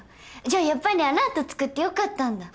じゃあやっぱりアラートつくってよかったんだ。